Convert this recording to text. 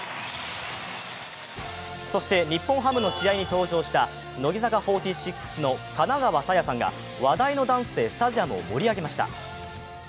そして日本ハムの試合に登場した乃木坂４６の金川紗耶さんが話題のダンスでスタジアムを盛り上げました。